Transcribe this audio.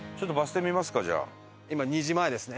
今２時前ですね。